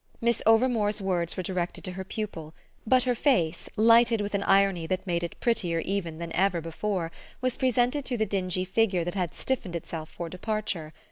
Miss Overmore's words were directed to her pupil, but her face, lighted with an irony that made it prettier even than ever before, was presented to the dingy figure that had stiffened itself for departure.